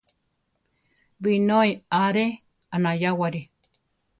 Binói aáre anayáwari.